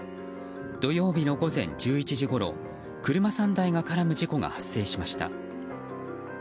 土曜日の午前１１時ごろ車３台が絡む事故が発生しました。